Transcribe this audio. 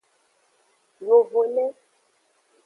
Yovone.